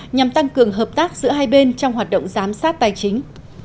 nhằm tăng cường hợp tác giữa hai bên trong hoạt động giám sát tài chính